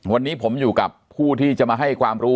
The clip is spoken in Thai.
วันนี้ผมอยู่กับผู้ที่จะมาให้ความรู้